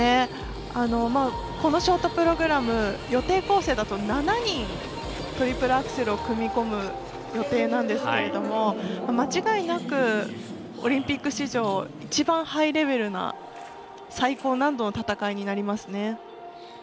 このショートプログラム予定構成だと７人トリプルアクセルを組む込み予定なんですけれども間違いなくオリンピック史上一番ハイレベルな最高難度の戦いになりますね。